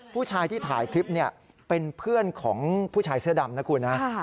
ผู้ชายที่ถ่ายคลิปเนี่ยเป็นเพื่อนของผู้ชายเสื้อดำนะคุณนะ